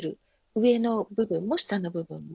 上の部分も下の部分も。